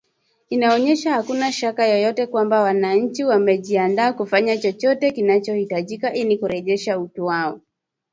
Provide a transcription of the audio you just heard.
Inaonyesha hakuna shaka yoyote kwamba wananchi wamejiandaa kufanya chochote kinachohitajika ili kurejesha utu wao.